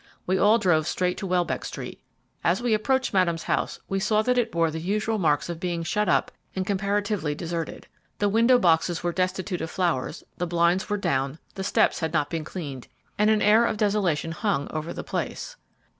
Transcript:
We all drove straight to Welbeck Street. As we approached Madame's house we saw that it bore the usual marks of being shut up and comparatively deserted. The window boxes were destitute of flowers, the blinds were down, the steps had not been cleaned, and an air of desolation hung over the place.